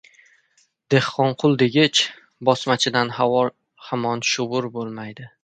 Dehqonqul degich... bosmachidan hamon shovur bo‘lmaydi.